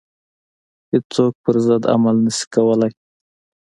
هیڅوک پر ضد عمل نه شي کولای.